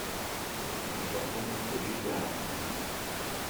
Die Verstopfung ist wirklich sehr hartnäckig.